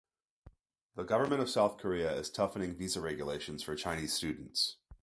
The Government of South Korea is toughening visa regulations for Chinese students.